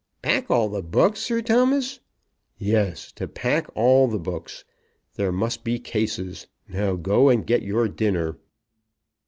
"Pack all the books, Sir Thomas!" "Yes; to pack all the books. There must be cases. Now, go and get your dinner."